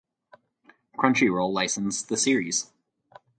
Crunchyroll licensed the series.